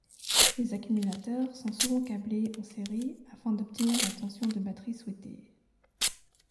Les accumulateurs sont souvent câblés en série afin d'obtenir la tension de batterie souhaitée.